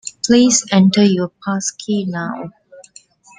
Please enter your passkey now